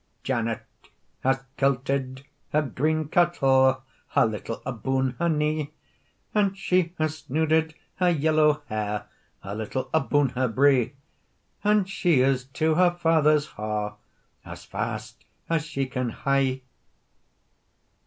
Janet has kilted her green kirtle A little aboon her knee, And she has snooded her yellow hair A little aboon her bree, And she is to her father's ha, As fast as she can hie.